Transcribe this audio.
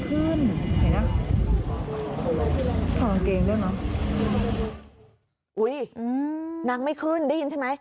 อุ๊ยนังไม่ขึ้นได้ยินใช่ไหม